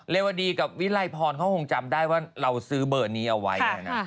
วดีกับวิลัยพรเขาคงจำได้ว่าเราซื้อเบอร์นี้เอาไว้